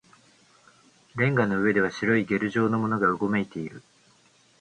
瓦礫の上では白いゲル状のものがうごめいている